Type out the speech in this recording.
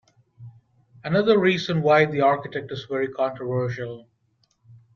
Another reason why the architect is very controversial.